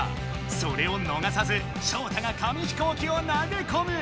それをのがさずショウタが紙飛行機を投げこむ！